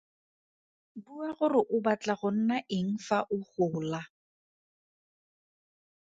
Bua gore o batla go nna eng fa o gola.